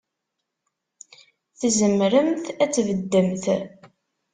Tzemremt ad tbeddemt?